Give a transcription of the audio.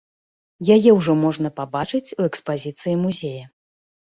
Яе ўжо можна пабачыць у экспазіцыі музея.